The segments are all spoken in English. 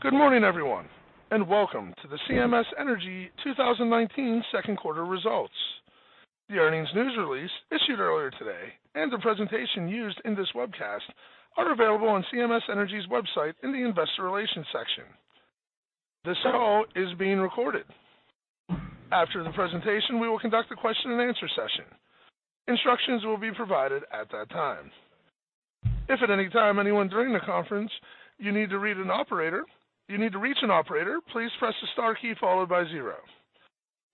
Good morning, everyone, and welcome to the CMS Energy 2019 second quarter results. The earnings news release issued earlier today, and the presentation used in this webcast are available on CMS Energy's website in the investor relations section. This call is being recorded. After the presentation, we will conduct a question and answer session. Instructions will be provided at that time. If at any time, anyone during the conference, you need to reach an operator, please press the star key followed by zero.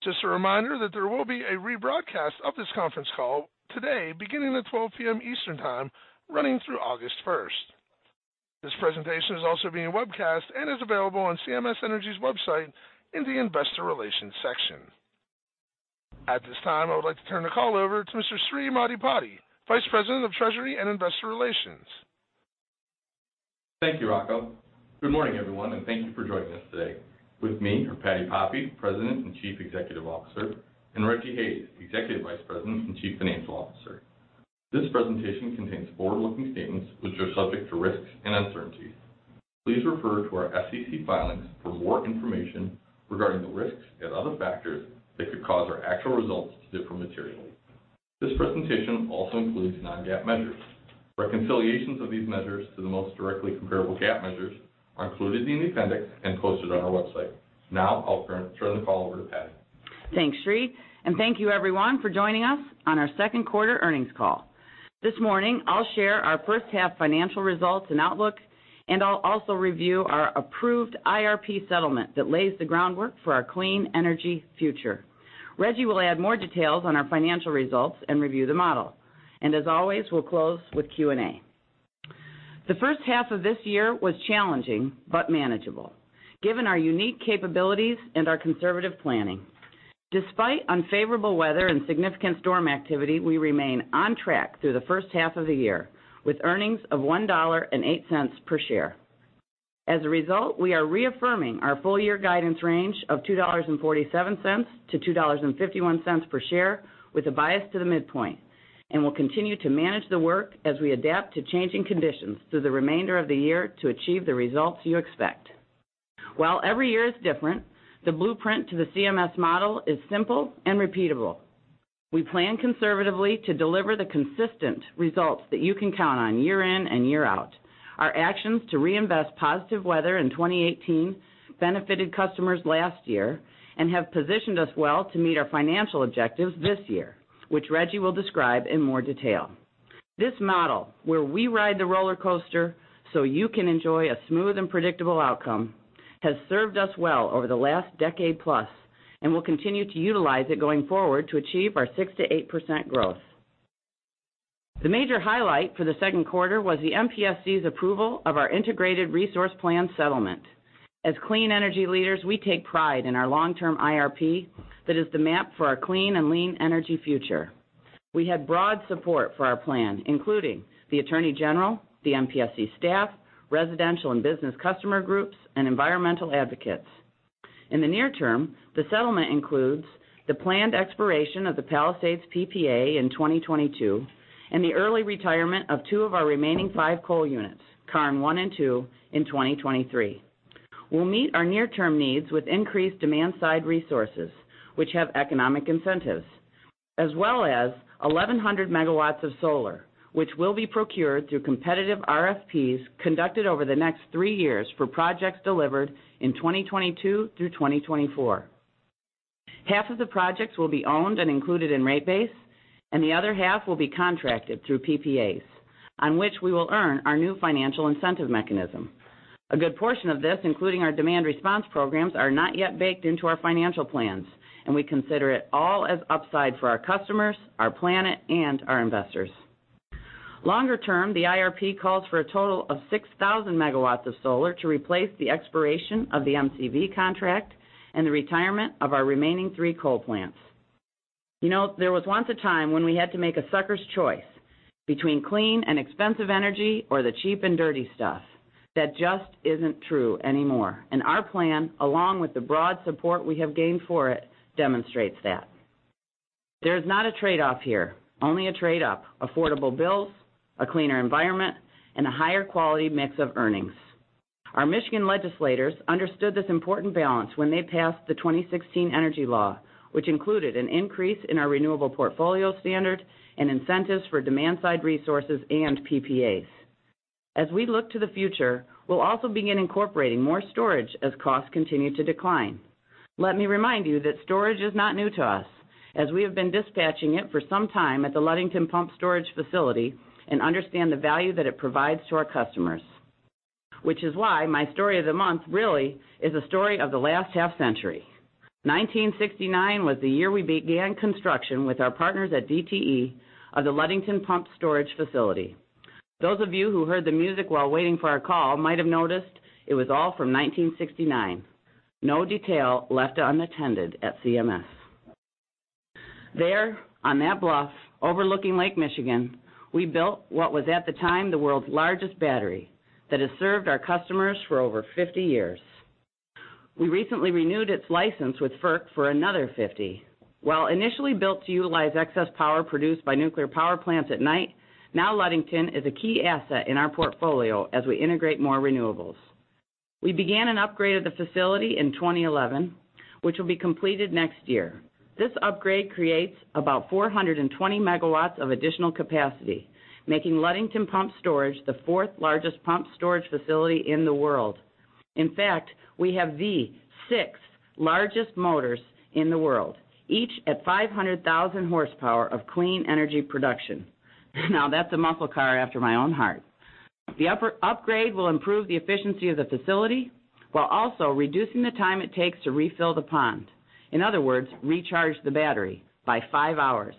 Just a reminder that there will be a rebroadcast of this conference call today beginning at 12:00 P.M. Eastern Time, running through August 1st. This presentation is also being webcast and is available on CMS Energy's website in the investor relations section. At this time, I would like to turn the call over to Mr. Sri Maddipati, Vice President of Treasury and Investor Relations. Thank you, Rocco. Good morning, everyone, and thank you for joining us today. With me are Patti Poppe, President and Chief Executive Officer, and Rejji Hayes, Executive Vice President and Chief Financial Officer. This presentation contains forward-looking statements which are subject to risks and uncertainties. Please refer to our SEC filings for more information regarding the risks and other factors that could cause our actual results to differ materially. This presentation also includes non-GAAP measures. Reconciliations of these measures to the most directly comparable GAAP measures are included in the appendix and posted on our website. Now, I'll turn the call over to Patti. Thanks, Sri. Thank you, everyone, for joining us on our second quarter earnings call. This morning, I'll share our first half financial results and outlook, I'll also review our approved IRP settlement that lays the groundwork for our clean energy future. Rejji will add more details on our financial results and review the model. As always, we'll close with Q&A. The first half of this year was challenging but manageable given our unique capabilities and our conservative planning. Despite unfavorable weather and significant storm activity, we remain on track through the first half of the year, with earnings of $1.08 per share. As a result, we are reaffirming our full year guidance range of $2.47-$2.51 per share with a bias to the midpoint, and will continue to manage the work as we adapt to changing conditions through the remainder of the year to achieve the results you expect. While every year is different, the blueprint to the CMS model is simple and repeatable. We plan conservatively to deliver the consistent results that you can count on year in and year out. Our actions to reinvest positive weather in 2018 benefited customers last year and have positioned us well to meet our financial objectives this year, which Rejji will describe in more detail. This model, where we ride the roller coaster so you can enjoy a smooth and predictable outcome, has served us well over the last decade plus and we'll continue to utilize it going forward to achieve our 6%-8% growth. The major highlight for the second quarter was the MPSC's approval of our Integrated Resource Plan settlement. As clean energy leaders, we take pride in our long-term IRP that is the map for our clean and lean energy future. We had broad support for our plan, including the attorney general, the MPSC staff, residential and business customer groups, and environmental advocates. In the near term, the settlement includes the planned expiration of the Palisades PPA in 2022 and the early retirement of two of our remaining five coal units, Karn 1 and 2, in 2023. We'll meet our near-term needs with increased demand-side resources, which have economic incentives, as well as 1,100 MW of solar, which will be procured through competitive RFPs conducted over the next three years for projects delivered in 2022 through 2024. Half of the projects will be owned and included in rate base, and the other half will be contracted through PPAs, on which we will earn our new financial incentive mechanism. A good portion of this, including our demand response programs, are not yet baked into our financial plans, we consider it all as upside for our customers, our planet, and our investors. Longer term, the IRP calls for a total of 6,000 MW of solar to replace the expiration of the MCV contract and the retirement of our remaining three coal plants. There was once a time when we had to make a sucker's choice between clean and expensive energy or the cheap and dirty stuff. That just isn't true anymore, and our plan, along with the broad support we have gained for it, demonstrates that. There is not a trade-off here, only a trade up. Affordable bills, a cleaner environment, and a higher quality mix of earnings. Our Michigan legislators understood this important balance when they passed the 2016 energy law, which included an increase in our renewable portfolio standard and incentives for demand-side resources and PPAs. As we look to the future, we'll also begin incorporating more storage as costs continue to decline. Let me remind you that storage is not new to us, as we have been dispatching it for some time at the Ludington Pumped Storage Plant and understand the value that it provides to our customers. Which is why my story of the month really is a story of the last half-century. 1969 was the year we began construction with our partners at DTE of the Ludington Pumped Storage Plant. Those of you who heard the music while waiting for our call might have noticed it was all from 1969. No detail left unattended at CMS. There, on that bluff overlooking Lake Michigan, we built what was at the time the world's largest battery that has served our customers for over 50 years. We recently renewed its license with FERC for another 50. While initially built to utilize excess power produced by nuclear power plants at night, now Ludington is a key asset in our portfolio as we integrate more renewables. We began an upgrade of the facility in 2011, which will be completed next year. This upgrade creates about 420 MW of additional capacity, making Ludington Pumped Storage the fourth largest pumped storage facility in the world. In fact, we have the sixth largest motors in the world, each at 500,000 horsepower of clean energy production. That's a muscle car after my own heart. The upgrade will improve the efficiency of the facility while also reducing the time it takes to refill the pond. In other words, recharge the battery by five hours.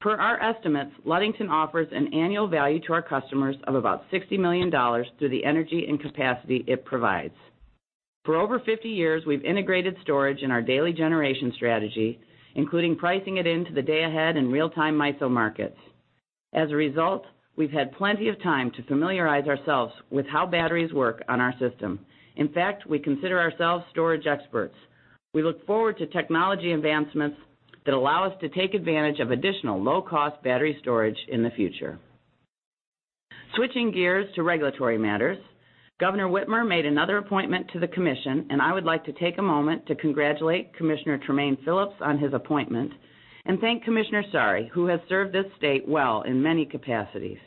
Per our estimates, Ludington offers an annual value to our customers of about $60 million through the energy and capacity it provides. For over 50 years, we've integrated storage in our daily generation strategy, including pricing it into the day ahead in real-time MISO markets. As a result, we've had plenty of time to familiarize ourselves with how batteries work on our system. In fact, we consider ourselves storage experts. We look forward to technology advancements that allow us to take advantage of additional low-cost battery storage in the future. I would like to take a moment to congratulate Commissioner Tremaine Phillips on his appointment and thank Commissioner Saari, who has served this state well in many capacities.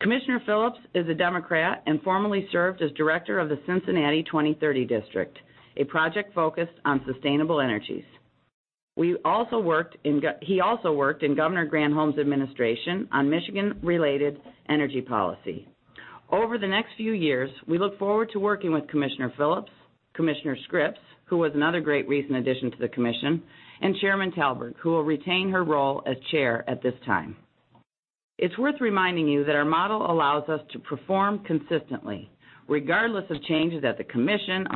Commissioner Phillips is a Democrat and formerly served as director of the Cincinnati 2030 District, a project focused on sustainable energies. He also worked in Governor Granholm's administration on Michigan-related energy policy. Over the next few years, we look forward to working with Commissioner Phillips, Commissioner Scripps, who was another great recent addition to the commission, and Chairman Talberg, who will retain her role as chair at this time. It's worth reminding you that our model allows us to perform consistently, regardless of changes at the commission,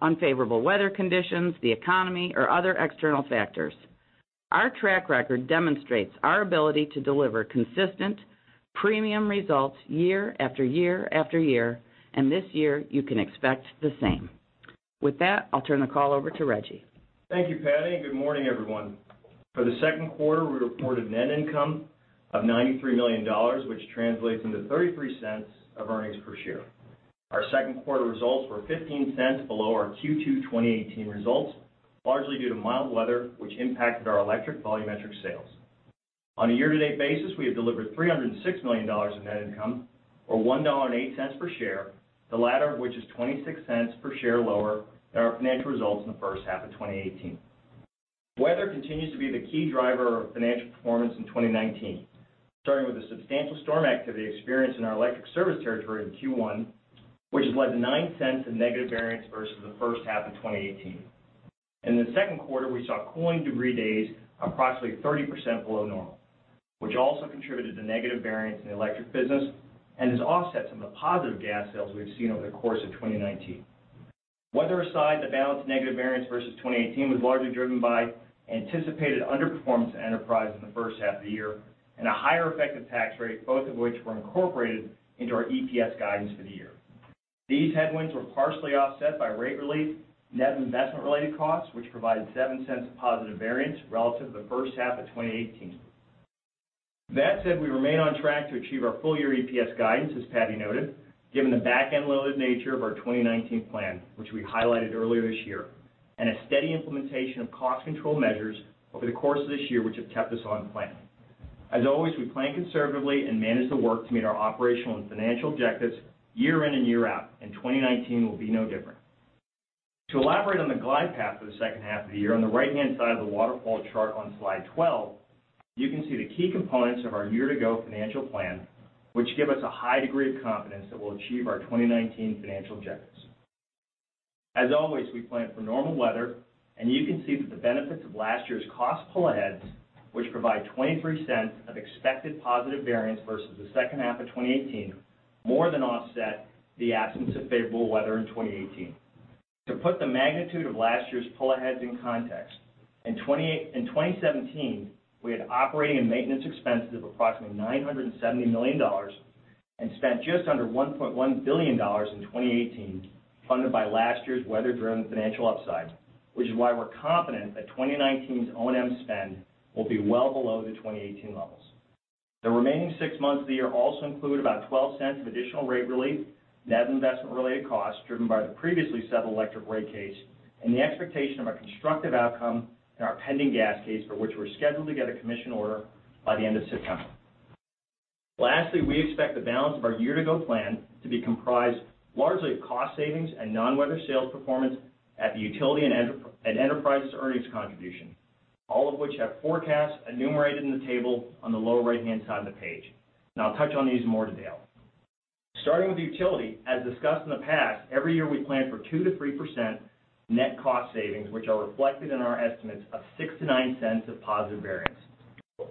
unfavorable weather conditions, the economy, or other external factors. Our track record demonstrates our ability to deliver consistent premium results year after year after year, and this year you can expect the same. With that, I'll turn the call over to Rejji. Thank you, Patti, and good morning, everyone. For the second quarter, we reported net income of $93 million, which translates into $0.33 of earnings per share. Our second quarter results were $0.15 below our Q2 2018 results, largely due to mild weather, which impacted our electric volumetric sales. On a year-to-date basis, we have delivered $306 million in net income, or $1.08 per share, the latter of which is $0.26 per share lower than our financial results in the first half of 2018. Weather continues to be the key driver of financial performance in 2019, starting with the substantial storm activity experienced in our electric service territory in Q1, which has led to $0.09 of negative variance versus the first half of 2018. In the second quarter, we saw cooling degree days approximately 30% below normal, which also contributed to negative variance in the electric business and has offset some of the positive gas sales we've seen over the course of 2019. Weather aside, the balanced negative variance versus 2018 was largely driven by anticipated underperformance of enterprise in the first half of the year and a higher effective tax rate, both of which were incorporated into our EPS guidance for the year. These headwinds were partially offset by rate relief, net investment-related costs, which provided $0.07 of positive variance relative to the first half of 2018. That said, we remain on track to achieve our full-year EPS guidance, as Patti noted, given the back-end loaded nature of our 2019 plan, which we highlighted earlier this year, and a steady implementation of cost control measures over the course of this year, which have kept us on plan. As always, we plan conservatively and manage the work to meet our operational and financial objectives year in and year out, and 2019 will be no different. To elaborate on the glide path for the second half of the year, on the right-hand side of the waterfall chart on slide 12, you can see the key components of our year-to-go financial plan, which give us a high degree of confidence that we'll achieve our 2019 financial objectives. As always, we plan for normal weather. You can see that the benefits of last year's cost pull-aheads, which provide $0.23 of expected positive variance versus the second half of 2018, more than offset the absence of favorable weather in 2018. To put the magnitude of last year's pull-aheads in context, in 2017, we had operating and maintenance expenses of approximately $970 million and spent just under $1.1 billion in 2018, funded by last year's weather-driven financial upside, which is why we're confident that 2019's O&M spend will be well below the 2018 levels. The remaining six months of the year also include about $0.12 of additional rate relief, net investment-related costs driven by the previously settled electric rate case, and the expectation of a constructive outcome in our pending gas case for which we're scheduled to get a commission order by the end of September. Lastly, we expect the balance of our year-to-go plan to be comprised largely of cost savings and non-weather sales performance at the utility and enterprise earnings contribution, all of which have forecasts enumerated in the table on the lower right-hand side of the page, and I'll touch on these in more detail. Starting with utility, as discussed in the past, every year we plan for 2%-3% net cost savings, which are reflected in our estimates of $0.06-$0.09 of positive variance.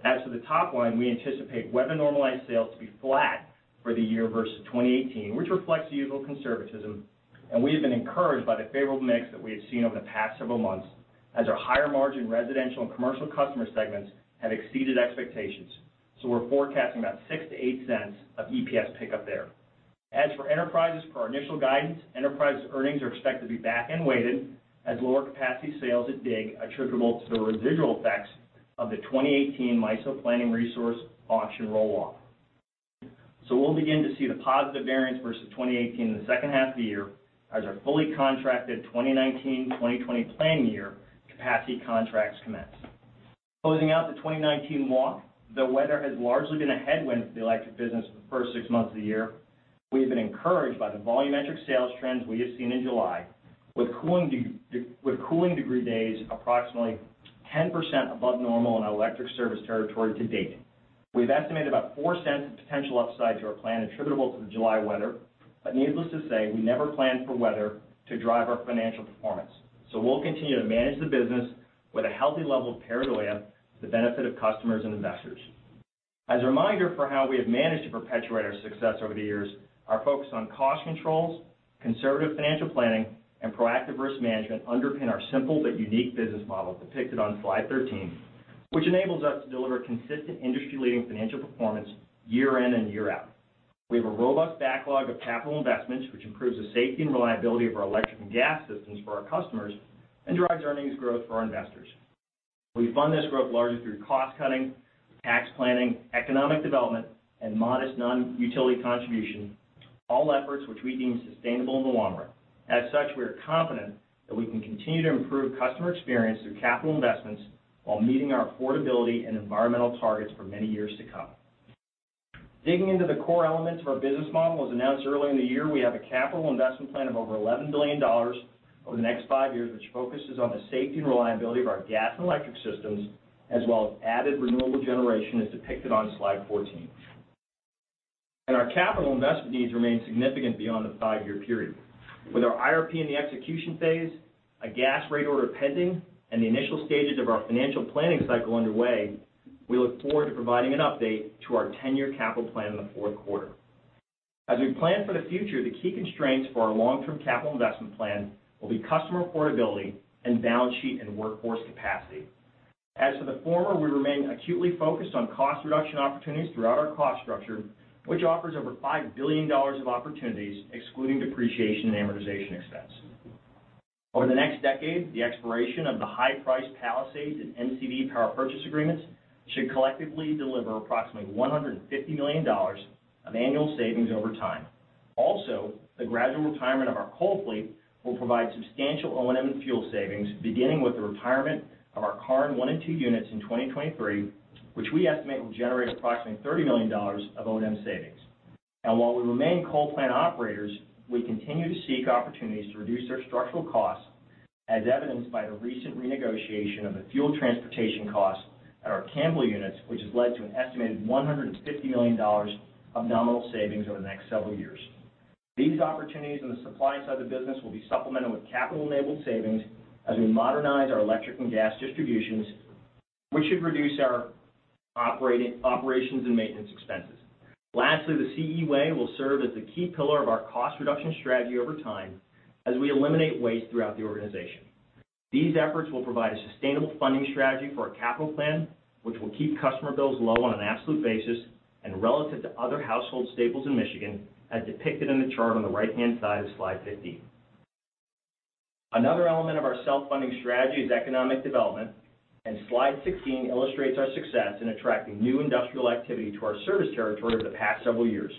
As for the top line, we anticipate weather-normalized sales to be flat for the year versus 2018, which reflects the usual conservatism, and we have been encouraged by the favorable mix that we have seen over the past several months as our higher-margin residential and commercial customer segments have exceeded expectations. We're forecasting about $0.06-$0.08 of EPS pick up there. As for Enterprises per our initial guidance, Enterprise earnings are expected to be back-end weighted as lower capacity sales at DIG attributable to the residual effects of the 2018 MISO Planning Resource Auction roll-off. We'll begin to see the positive variance versus 2018 in the second half of the year, as our fully contracted 2019-2020 planning year capacity contracts commence. Closing out the 2019 walk, the weather has largely been a headwind for the electric business for the first six months of the year. We have been encouraged by the volumetric sales trends we have seen in July, with cooling degree days approximately 10% above normal in our electric service territory to date. We've estimated about $0.04 of potential upside to our plan attributable to the July weather. Needless to say, we never plan for weather to drive our financial performance. We'll continue to manage the business with a healthy level of prudence to amplify the benefit of customers and investors. As a reminder for how we have managed to perpetuate our success over the years, our focus on cost controls, conservative financial planning, and proactive risk management underpin our simple but unique business model depicted on slide 13, which enables us to deliver consistent industry-leading financial performance year in and year out. We have a robust backlog of capital investments, which improves the safety and reliability of our electric and gas systems for our customers and drives earnings growth for our investors. We fund this growth largely through cost-cutting, tax planning, economic development, and modest non-utility contribution, all efforts which we deem sustainable in the long run. As such, we are confident that we can continue to improve customer experience through capital investments while meeting our affordability and environmental targets for many years to come. Digging into the core elements of our business model, as announced earlier in the year, we have a capital investment plan of over $11 billion over the next five years, which focuses on the safety and reliability of our gas and electric systems, as well as added renewable generation as depicted on slide 14. Our capital investment needs remain significant beyond the five-year period. With our IRP in the execution phase, a gas rate order pending, and the initial stages of our financial planning cycle underway, we look forward to providing an update to our 10-year capital plan in the fourth quarter. As we plan for the future, the key constraints for our long-term capital investment plan will be customer affordability and balance sheet and workforce capacity. As for the former, we remain acutely focused on cost reduction opportunities throughout our cost structure, which offers over $5 billion of opportunities excluding depreciation and amortization expense. Over the next decade, the expiration of the high-priced Palisades and MCV power purchase agreements should collectively deliver approximately $150 million of annual savings over time. Also, the gradual retirement of our coal fleet will provide substantial O&M and fuel savings, beginning with the retirement of our Karn 1 and 2 units in 2023, which we estimate will generate approximately $30 million of O&M savings. While we remain coal plant operators, we continue to seek opportunities to reduce their structural costs, as evidenced by the recent renegotiation of the fuel transportation costs at our Campbell units, which has led to an estimated $150 million of nominal savings over the next several years. These opportunities in the supply side of the business will be supplemented with capital-enabled savings as we modernize our electric and gas distributions, which should reduce our operations and maintenance expenses. Lastly, the CE Way will serve as the key pillar of our cost reduction strategy over time as we eliminate waste throughout the organization. These efforts will provide a sustainable funding strategy for our capital plan, which will keep customer bills low on an absolute basis and relative to other household staples in Michigan, as depicted in the chart on the right-hand side of slide 15. Another element of our self-funding strategy is economic development. Slide 16 illustrates our success in attracting new industrial activity to our service territory over the past several years,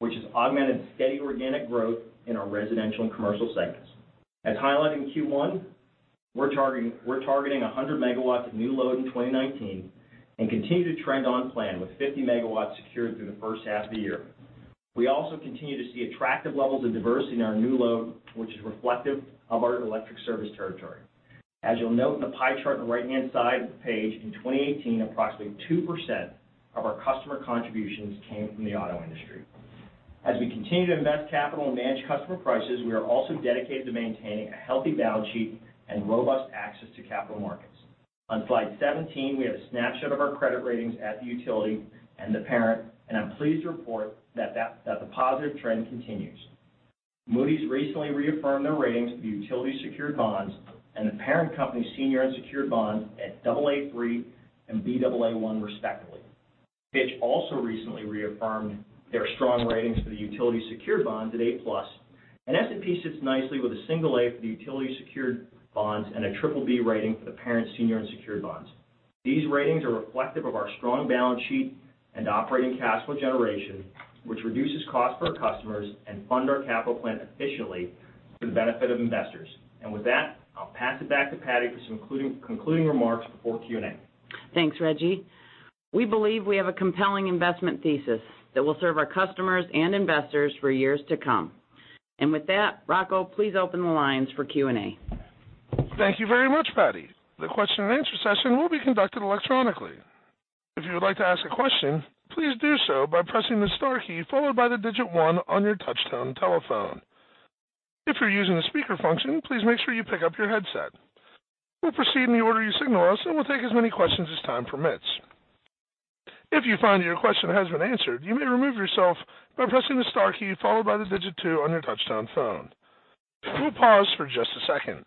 which has augmented steady organic growth in our residential and commercial segments. As highlighted in Q1, we're targeting 100 megawatts of new load in 2019 and continue to trend on plan with 50 megawatts secured through the first half of the year. We also continue to see attractive levels of diversity in our new load, which is reflective of our electric service territory. As you'll note in the pie chart on the right-hand side of the page, in 2018, approximately 2% of our customer contributions came from the auto industry. As we continue to invest capital and manage customer prices, we are also dedicated to maintaining a healthy balance sheet and robust access to capital markets. On slide 17, we have a snapshot of our credit ratings at the utility and the parent, and I'm pleased to report that the positive trend continues. Moody's recently reaffirmed their ratings of the utility secured bonds and the parent company's senior unsecured bonds at Aa3 and Baa1, respectively. Fitch also recently reaffirmed their strong ratings for the utility secured bonds at A+, and S&P sits nicely with an A for the utility secured bonds and a BBB rating for the parent senior unsecured bonds. These ratings are reflective of our strong balance sheet and operating cash flow generation, which reduces costs for our customers and fund our capital plan efficiently for the benefit of investors. With that, I'll pass it back to Patti for some concluding remarks before Q&A. Thanks, Rejji. We believe we have a compelling investment thesis that will serve our customers and investors for years to come. With that, Rocco, please open the lines for Q&A. Thank you very much, Patti. The question and answer session will be conducted electronically. If you would like to ask a question, please do so by pressing the star key followed by the digit 1 on your touch-tone telephone. If you're using the speaker function, please make sure you pick up your headset. We'll proceed in the order you signal us, and we'll take as many questions as time permits. If you find your question has been answered, you may remove yourself by pressing the star key followed by the digit 2 on your touch-tone phone. We'll pause for just a second.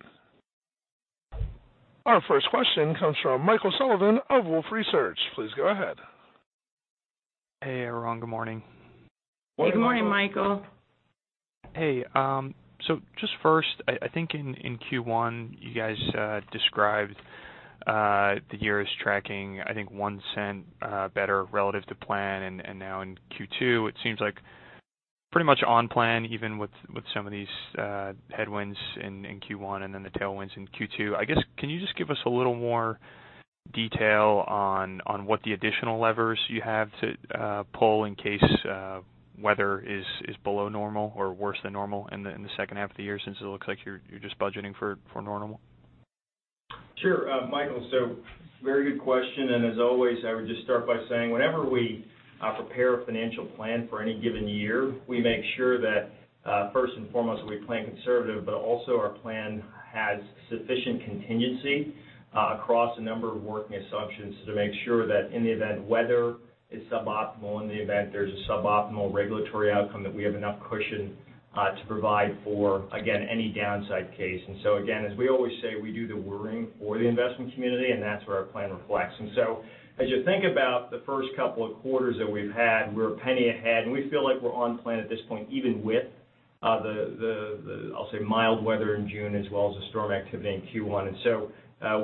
Our first question comes from Michael Sullivan of Wolfe Research. Please go ahead. Hey, everyone. Good morning. Good morning, Michael. Hey. Just first, I think in Q1, you guys described the year is tracking, I think, $0.01 better relative to plan. Now in Q2, it seems like pretty much on plan, even with some of these headwinds in Q1 and then the tailwinds in Q2. I guess, can you just give us a little more detail on what the additional levers you have to pull in case weather is below normal or worse than normal in the second half of the year, since it looks like you're just budgeting for normal? Sure. Michael, very good question. As always, I would just start by saying whenever we prepare a financial plan for any given year, we make sure that first and foremost, we plan conservative, but also our plan has sufficient contingency across a number of working assumptions to make sure that in the event weather is suboptimal, in the event there's a suboptimal regulatory outcome, that we have enough cushion to provide for, again, any downside case. Again, as we always say, we do the worrying for the investment community, and that's where our plan reflects. As you think about the first couple of quarters that we've had, we're $0.01 ahead, and we feel like we're on plan at this point, even with the, I'll say, mild weather in June as well as the storm activity in Q1.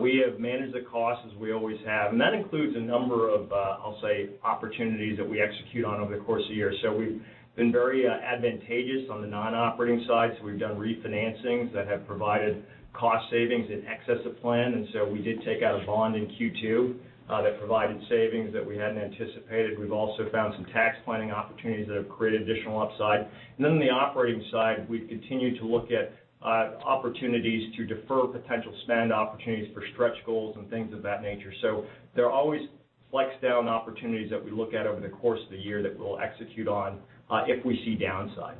We have managed the cost as we always have. That includes a number of, I'll say, opportunities that we execute on over the course of the year. We've been very advantageous on the non-operating side. We've done refinancings that have provided cost savings in excess of plan. We did take out a bond in Q2 that provided savings that we hadn't anticipated. We've also found some tax planning opportunities that have created additional upside. On the operating side, we've continued to look at opportunities to defer potential spend opportunities for stretch goals and things of that nature. There are always flex down opportunities that we look at over the course of the year that we'll execute on if we see downside.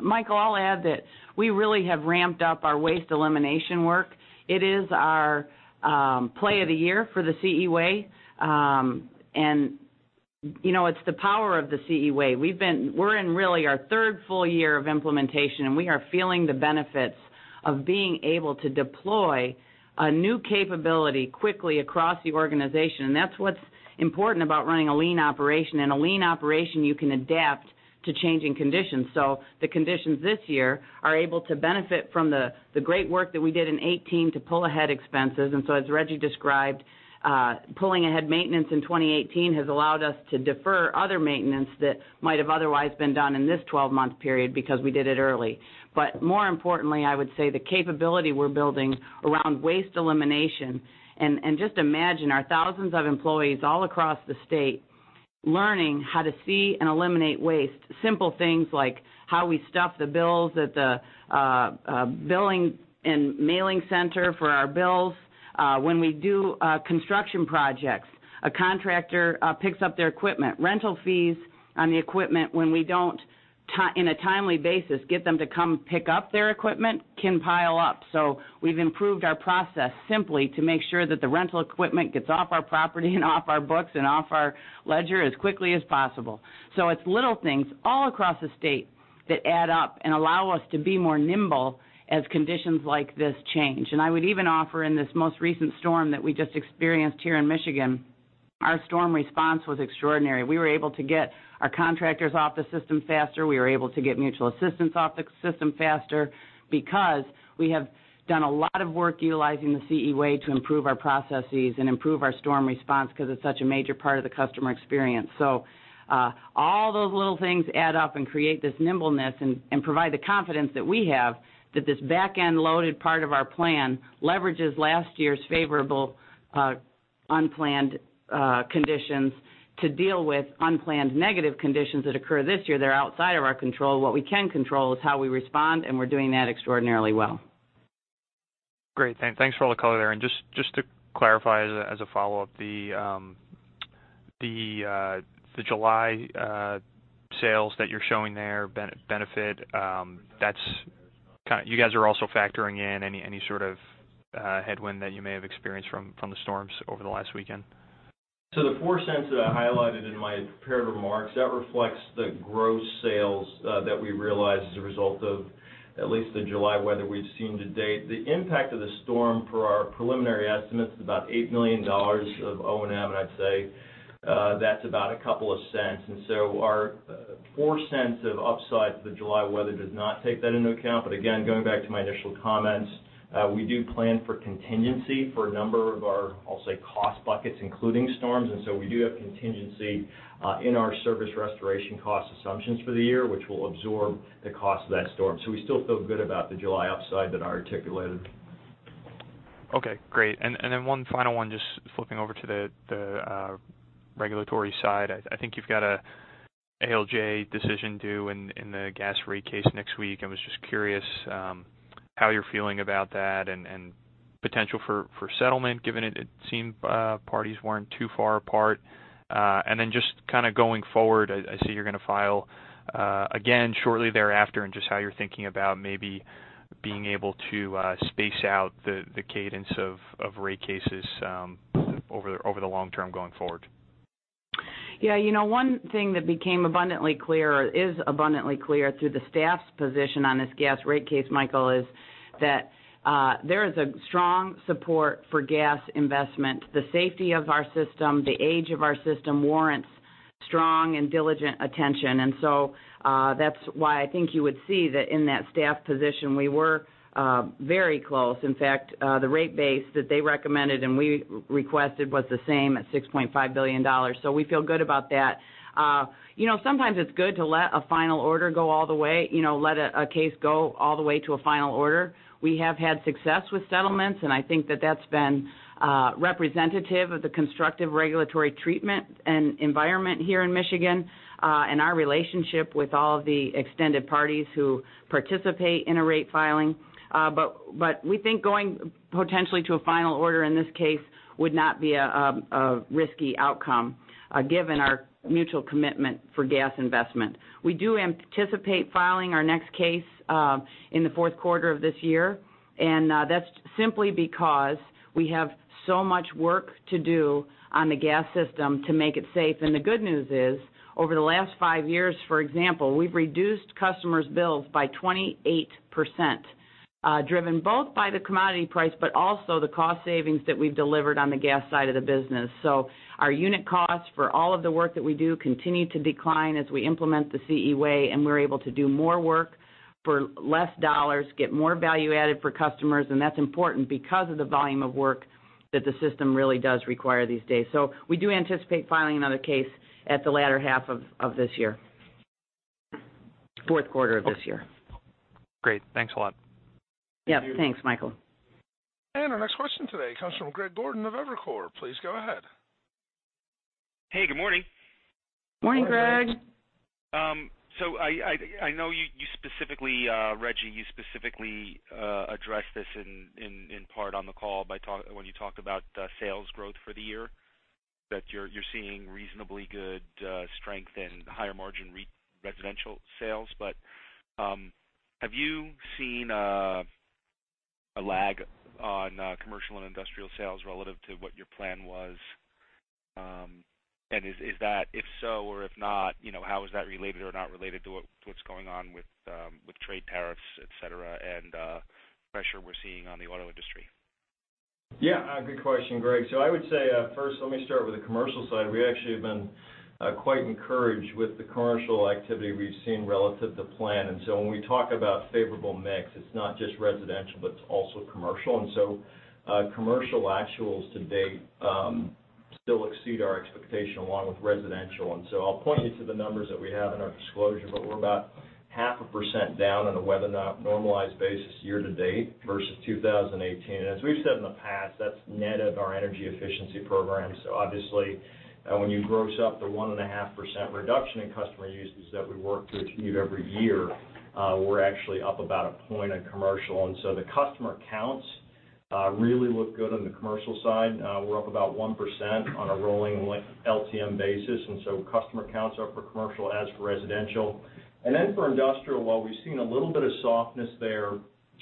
Michael, I'll add that we really have ramped up our waste elimination work. It is our play of the year for the CE Way. It's the power of the CE Way. We're in really our third full year of implementation, and we are feeling the benefits of being able to deploy a new capability quickly across the organization. That's what's important about running a lean operation. In a lean operation, you can adapt to changing conditions. The conditions this year are able to benefit from the great work that we did in 2018 to pull ahead expenses. As Rejji described, pulling ahead maintenance in 2018 has allowed us to defer other maintenance that might have otherwise been done in this 12-month period because we did it early. More importantly, I would say the capability we're building around waste elimination and just imagine our thousands of employees all across the state learning how to see and eliminate waste. Simple things like how we stuff the bills at the billing and mailing center for our bills. When we do construction projects, a contractor picks up their equipment. Rental fees on the equipment when we don't, in a timely basis, get them to come pick up their equipment can pile up. We've improved our process simply to make sure that the rental equipment gets off our property and off our books and off our ledger as quickly as possible. It's little things all across the state that add up and allow us to be more nimble as conditions like this change. I would even offer in this most recent storm that we just experienced here in Michigan, our storm response was extraordinary. We were able to get our contractors off the system faster. We were able to get mutual assistance off the system faster because we have done a lot of work utilizing the CE Way to improve our processes and improve our storm response because it's such a major part of the customer experience. All those little things add up and create this nimbleness and provide the confidence that we have that this back-end-loaded part of our plan leverages last year's favorable unplanned conditions to deal with unplanned negative conditions that occur this year that are outside of our control. What we can control is how we respond, and we're doing that extraordinarily well. Great. Thanks for all the color there. Just to clarify as a follow-up, the July sales that you're showing there, benefit, you guys are also factoring in any sort of headwind that you may have experienced from the storms over the last weekend? The $0.04 that I highlighted in my prepared remarks, that reflects the gross sales that we realized as a result of at least the July weather we’ve seen to date. The impact of the storm for our preliminary estimates is about $8 million of O&M. I’d say that’s about $0.02. Our $0.04 of upside for the July weather does not take that into account. Again, going back to my initial comments, we do plan for contingency for a number of our, I’ll say, cost buckets, including storms. We do have contingency in our service restoration cost assumptions for the year, which will absorb the cost of that storm. We still feel good about the July upside that I articulated. Okay, great. One final one, just flipping over to the regulatory side. I think you've got an ALJ decision due in the gas rate case next week. I was just curious how you're feeling about that and potential for settlement, given it seemed parties weren't too far apart. Just kind of going forward, I see you're going to file again shortly thereafter and just how you're thinking about maybe being able to space out the cadence of rate cases over the long term going forward. Yeah. One thing that became abundantly clear, or is abundantly clear through the staff's position on this gas rate case, Michael, is that there is a strong support for gas investment. The safety of our system, the age of our system warrants strong and diligent attention. That's why I think you would see that in that staff position, we were very close. In fact, the rate base that they recommended and we requested was the same at $6.5 billion. We feel good about that. Sometimes it's good to let a final order go all the way, let a case go all the way to a final order. We have had success with settlements, and I think that that's been representative of the constructive regulatory treatment and environment here in Michigan, and our relationship with all of the extended parties who participate in a rate filing. We think going potentially to a final order in this case would not be a risky outcome, given our mutual commitment for gas investment. We do anticipate filing our next case in the fourth quarter of this year. That's simply because we have so much work to do on the gas system to make it safe. The good news is, over the last five years, for example, we've reduced customers' bills by 28%, driven both by the commodity price, but also the cost savings that we've delivered on the gas side of the business. Our unit costs for all of the work that we do continue to decline as we implement the CE Way, and we're able to do more work for less dollars, get more value added for customers. That's important because of the volume of work that the system really does require these days. We do anticipate filing another case at the latter half of this year. Fourth quarter of this year. Okay. Great. Thanks a lot. Yep. Thanks, Michael. Our next question today comes from Greg Gordon of Evercore. Please go ahead. Hey, good morning. Morning, Greg. I know you specifically, Rejji, you specifically addressed this in part on the call when you talked about sales growth for the year, that you're seeing reasonably good strength and higher margin residential sales. Have you seen a lag on commercial and industrial sales relative to what your plan was? Is that, if so or if not, how is that related or not related to what's going on with trade tariffs, et cetera, and pressure we're seeing on the auto industry? Good question, Greg. I would say, first, let me start with the commercial side. We actually have been quite encouraged with the commercial activity we've seen relative to plan. When we talk about favorable mix, it's not just residential, but it's also commercial. Commercial actuals to date still exceed our expectation along with residential. I'll point you to the numbers that we have in our disclosure, but we're about 0.5% down on a weather-normalized basis year-to-date versus 2018. As we've said in the past, that's net of our energy efficiency program. Obviously, when you gross up the 1.5% reduction in customer usage that we work to achieve every year, we're actually up about a point on commercial. The customer counts really look good on the commercial side. We're up about 1% on a rolling LTM basis. Customer counts are up for commercial as for residential. For industrial, while we've seen a little bit of softness there,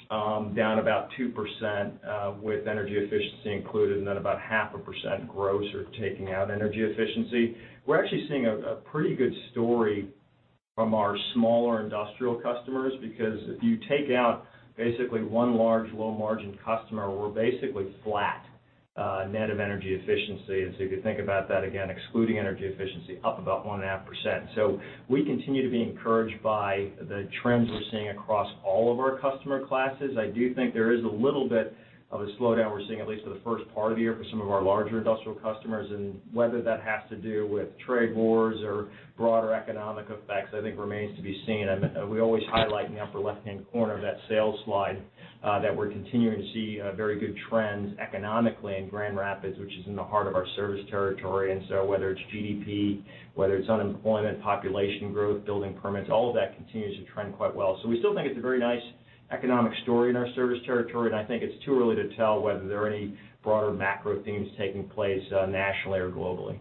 down about 2% with energy efficiency included, and then about 0.5% grosser taking out energy efficiency. We're actually seeing a pretty good story from our smaller industrial customers, because if you take out basically one large low-margin customer, we're basically flat net of energy efficiency. If you think about that, again, excluding energy efficiency, up about 1.5%. We continue to be encouraged by the trends we're seeing across all of our customer classes. I do think there is a little bit of a slowdown we're seeing, at least for the first part of the year for some of our larger industrial customers. Whether that has to do with trade wars or broader economic effects, I think remains to be seen. We always highlight in the upper left-hand corner of that sales slide that we're continuing to see very good trends economically in Grand Rapids, which is in the heart of our service territory. Whether it's GDP, whether it's unemployment, population growth, building permits, all of that continues to trend quite well. We still think it's a very nice economic story in our service territory, and I think it's too early to tell whether there are any broader macro themes taking place nationally or globally.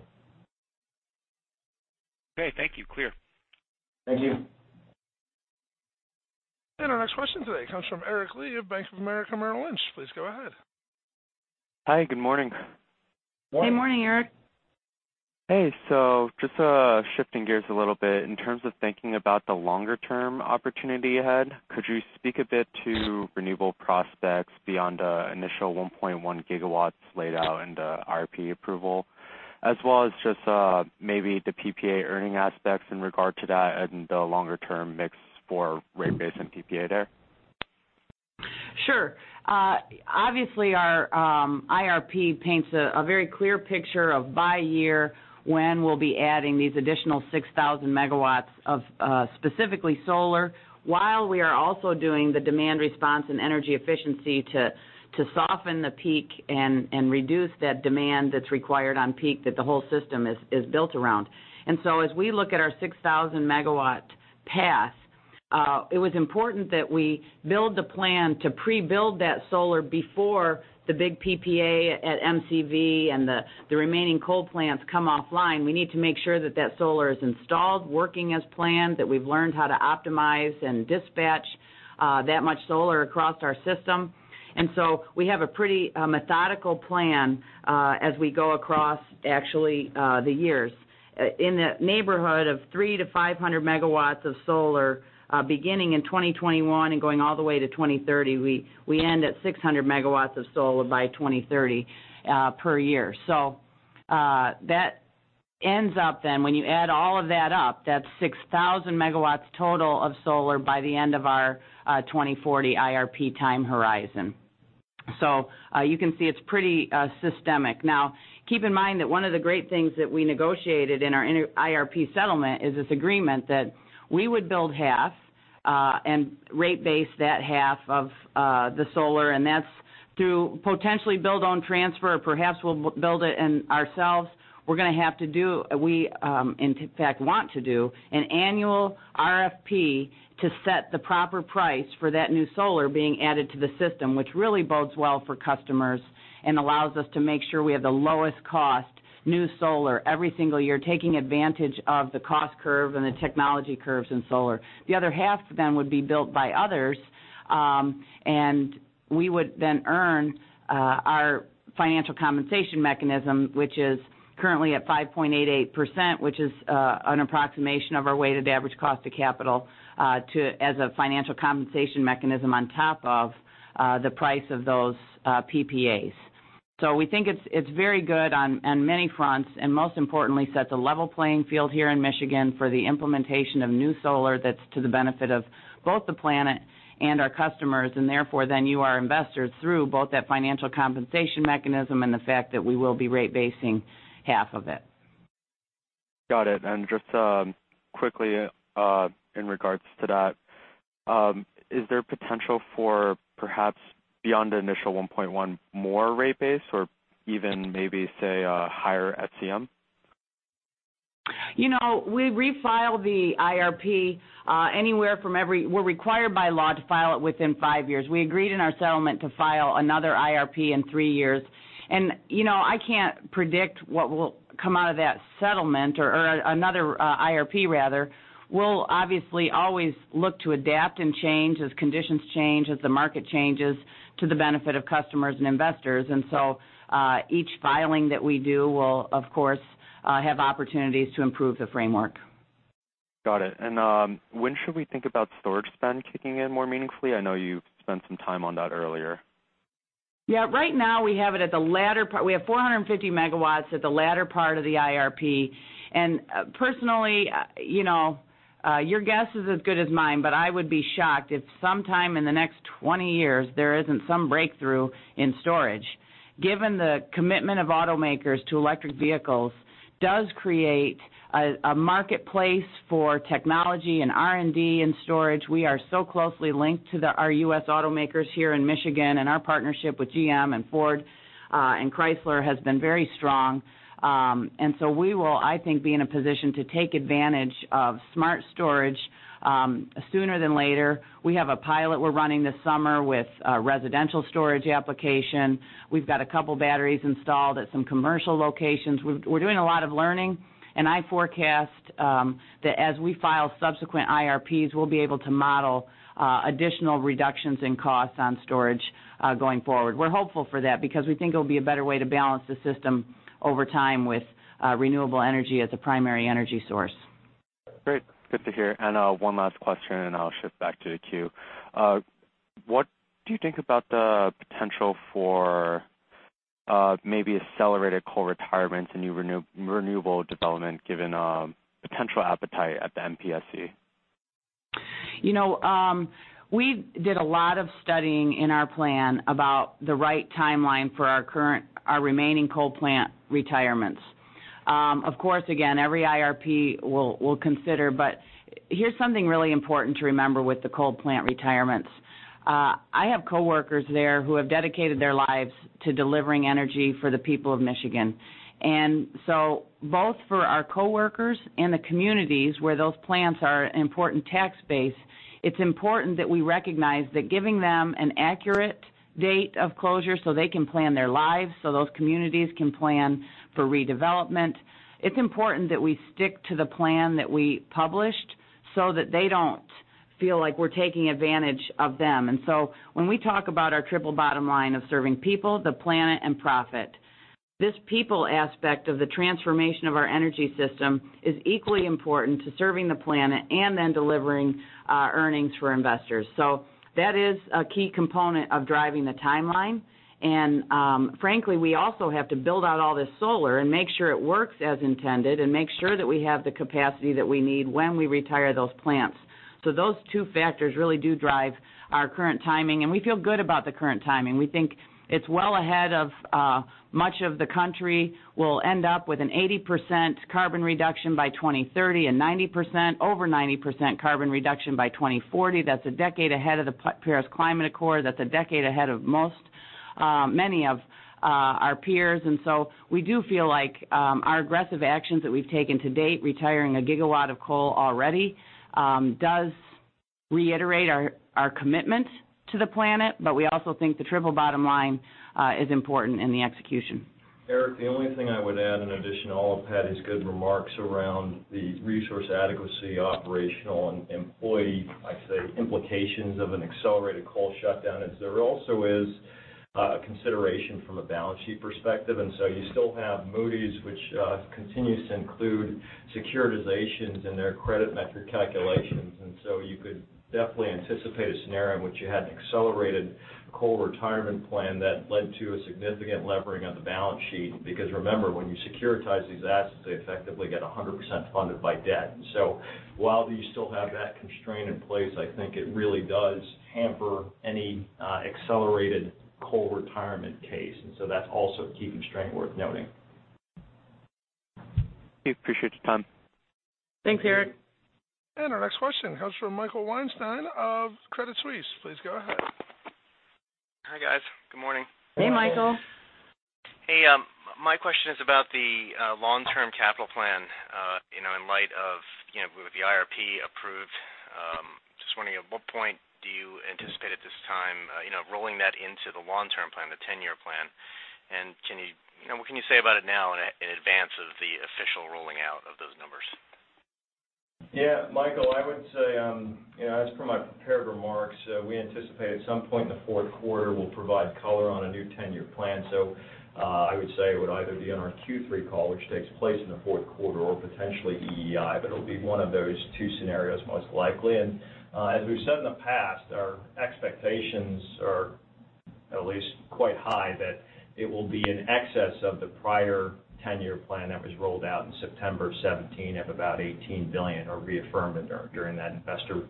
Okay, thank you. Clear. Thank you. Our next question today comes from Aric Li of Bank of America Merrill Lynch. Please go ahead. Hi, good morning. Good morning, Aric. Hey, just shifting gears a little bit, in terms of thinking about the longer-term opportunity ahead, could you speak a bit to renewable prospects beyond the initial 1.1 gigawatts laid out in the IRP approval, as well as just maybe the PPA earning aspects in regard to that and the longer-term mix for rate base and PPA there? Sure. Obviously, our IRP paints a very clear picture of by year when we'll be adding these additional 6,000 MW of specifically solar, while we are also doing the demand response and energy efficiency to soften the peak and reduce that demand that's required on peak that the whole system is built around. As we look at our 6,000 MW path, it was important that we build the plan to pre-build that solar before the big PPA at MCV and the remaining coal plants come offline. We need to make sure that that solar is installed, working as planned, that we've learned how to optimize and dispatch that much solar across our system. We have a pretty methodical plan as we go across actually the years. In the neighborhood of 300-500 MW of solar, beginning in 2021 and going all the way to 2030. We end at 600 megawatts of solar by 2030 per year. That ends up then, when you add all of that up, that's 6,000 megawatts total of solar by the end of our 2040 IRP time horizon. You can see it's pretty systemic. Now, keep in mind that one of the great things that we negotiated in our IRP settlement is this agreement that we would build half, and rate base that half of the solar, and that's through potentially build on transfer, perhaps we'll build it in ourselves. We in fact want to do an annual RFP to set the proper price for that new solar being added to the system, which really bodes well for customers and allows us to make sure we have the lowest cost new solar every single year, taking advantage of the cost curve and the technology curves in solar. The other half would be built by others, and we would then earn our Financial Compensation Mechanism, which is currently at 5.88%, which is an approximation of our weighted average cost of capital, as a Financial Compensation Mechanism on top of the price of those PPAs. We think it's very good on many fronts, and most importantly, sets a level playing field here in Michigan for the implementation of new solar that's to the benefit of both the planet and our customers, and therefore, then you, our investors, through both that financial compensation mechanism and the fact that we will be rate basing half of it. Got it. Just quickly, in regards to that, is there potential for perhaps beyond the initial $1.1, more rate base or even maybe, say, a higher FCM? We refile the IRP, we're required by law to file it within five years. We agreed in our settlement to file another IRP in three years. I can't predict what will come out of that settlement or another IRP rather. We'll obviously always look to adapt and change as conditions change, as the market changes to the benefit of customers and investors. Each filing that we do will, of course, have opportunities to improve the framework. Got it. When should we think about storage spend kicking in more meaningfully? I know you spent some time on that earlier. Yeah. Right now, we have it at the latter part. We have 450 megawatts at the latter part of the IRP. Personally, your guess is as good as mine, but I would be shocked if sometime in the next 20 years, there isn't some breakthrough in storage. Given the commitment of automakers to electric vehicles, does create a marketplace for technology and R&D in storage. We are so closely linked to our U.S. automakers here in Michigan, our partnership with GM and Ford, and Chrysler has been very strong. So we will, I think, be in a position to take advantage of smart storage, sooner than later. We have a pilot we're running this summer with a residential storage application. We've got a couple batteries installed at some commercial locations. We're doing a lot of learning, and I forecast that as we file subsequent IRPs, we'll be able to model additional reductions in costs on storage, going forward. We're hopeful for that because we think it'll be a better way to balance the system over time with renewable energy as a primary energy source. Great. Good to hear. One last question, and I'll shift back to the queue. What do you think about the potential for maybe accelerated coal retirements and new renewable development given potential appetite at the MPSC? We did a lot of studying in our plan about the right timeline for our remaining coal plant retirements. Of course, again, every IRP we'll consider, but here's something really important to remember with the coal plant retirements. I have coworkers there who have dedicated their lives to delivering energy for the people of Michigan. Both for our coworkers and the communities where those plants are an important tax base, it's important that we recognize that giving them an accurate date of closure so they can plan their lives, so those communities can plan for redevelopment. It's important that we stick to the plan that we published so that they don't feel like we're taking advantage of them. When we talk about our triple bottom line of serving people, the planet, and profit, this people aspect of the transformation of our energy system is equally important to serving the planet and then delivering earnings for investors. That is a key component of driving the timeline. Frankly, we also have to build out all this solar and make sure it works as intended and make sure that we have the capacity that we need when we retire those plants. Those two factors really do drive our current timing, and we feel good about the current timing. We think it's well ahead of much of the country. We'll end up with an 80% carbon reduction by 2030, and over 90% carbon reduction by 2040. That's a decade ahead of the Paris Climate Accord. That's a decade ahead of many of our peers. We do feel like our aggressive actions that we've taken to date, retiring 1 gigawatt of coal already, does reiterate our commitment to the planet, but we also think the triple bottom line is important in the execution. Aric, the only thing I would add in addition to all of Patti's good remarks around the resource adequacy, operational, and employee, I say implications of an accelerated coal shutdown, is there also is a consideration from a balance sheet perspective. You still have Moody's, which continues to include securitizations in their credit metric calculations. You could definitely anticipate a scenario in which you had an accelerated coal retirement plan that led to a significant levering of the balance sheet, because remember, when you securitize these assets, they effectively get 100% funded by debt. While you still have that constraint in place, I think it really does hamper any accelerated coal retirement case. That's also a key constraint worth noting. Okay, appreciate your time. Thanks, Aric. Our next question comes from Michael Weinstein of Credit Suisse. Please go ahead. Hi, guys. Good morning. Hey, Michael. Hey, my question is about the long-term capital plan. In light of the IRP approved, just wondering at what point do you anticipate at this time rolling that into the long-term plan, the 10-year plan. What can you say about it now in advance of the official rolling out of those numbers? Michael, I would say, as per my prepared remarks, we anticipate at some point in the Fourth Quarter, we'll provide color on a new 10-year plan. I would say it would either be on our Q3 call, which takes place in the Fourth Quarter, or potentially EEI. It'll be one of those two scenarios, most likely. As we've said in the past, our expectations are at least quite high that it will be in excess of the prior 10-year plan that was rolled out in September of 2017 of about $18 billion, or reaffirmed during that Investor